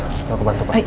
yaudah aku bantu pak